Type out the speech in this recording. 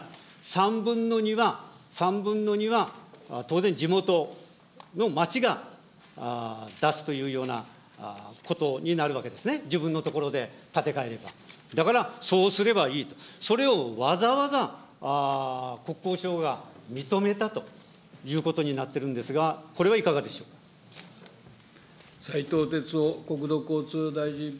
３分の２は、、３分の２は、当然地元の町が出すというようなことになるわけですね、自分のところで建て替えれば、だからそうすればいいと、それをわざわざ国交省が認めたということになってるんですが、こ斉藤鉄夫国土交通大臣。